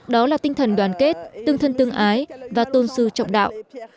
đó là tinh thần đoàn kết tương thân tương ái và tôn sư trọng đạo